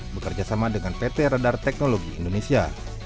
bekerjasama dengan pt radar teknologi indonesia